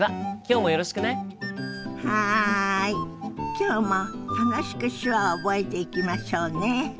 今日も楽しく手話を覚えていきましょうね！